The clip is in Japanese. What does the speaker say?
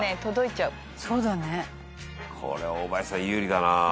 これは大林さん有利だな。